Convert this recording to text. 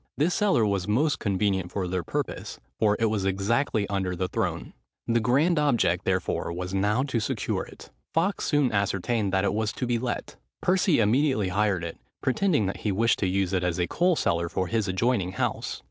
This cellar was most convenient for their purpose: for it was exactly under the throne. The grand object, therefore, was now to secure it. Fawkes soon ascertained that it was to be let. Percy immediately hired it, pretending that he wished to use it as a coal cellar for his adjoining house.